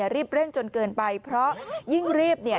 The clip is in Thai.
รีบเร่งจนเกินไปเพราะยิ่งรีบเนี่ย